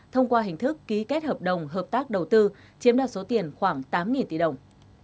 thông qua hình thức ký kết hợp đồng hợp tác đầu tư chiếm đạt số tiền khoảng tám tỷ đồng